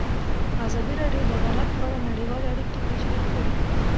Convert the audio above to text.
ازادي راډیو د عدالت په اړه نړیوالې اړیکې تشریح کړي.